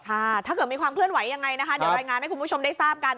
ถ้าเกิดมีความเคลื่อนไหวยังไงนะคะเดี๋ยวรายงานให้คุณผู้ชมได้ทราบกัน